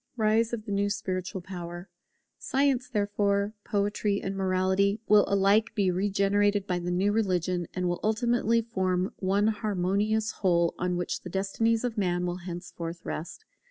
[Rise of the new Spiritual power] Science, therefore, Poetry, and Morality, will alike be regenerated by the new religion, and will ultimately form one harmonious whole, on which the destinies of Man will henceforth rest.